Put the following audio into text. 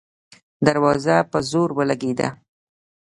دروازه په زور ولګېده.